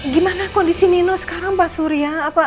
gimana kondisi nino sekarang pak surya